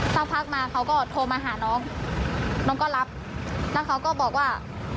สักพักมาเขาก็โทรมาหาน้องน้องก็รับแล้วเขาก็บอกว่า